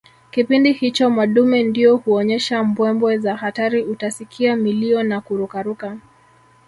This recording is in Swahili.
Kipindi hicho madume ndio huonyesha mbwembwe za hatari utasikia milio na kurukaruka